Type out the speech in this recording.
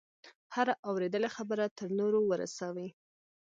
هره اورېدلې خبره تر نورو ورسوي.